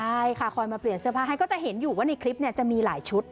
ใช่ค่ะคอยมาเปลี่ยนเสื้อผ้าให้ก็จะเห็นอยู่ว่าในคลิปจะมีหลายชุด